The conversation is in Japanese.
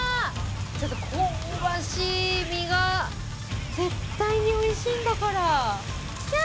香ばしい身が絶対においしいんだから。